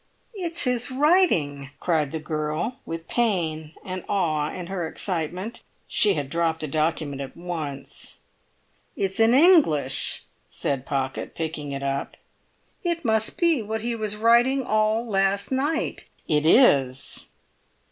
"It's his writing!" cried the girl, with pain and awe in her excitement. She had dropped the document at once. "It's in English," said Pocket, picking it up. "It must be what he was writing all last night!" "It is."